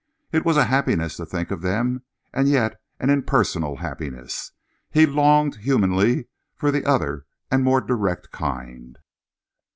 It was a happiness to think of them, and yet an impersonal happiness. He longed humanly for the other and more direct kind.